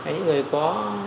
những người có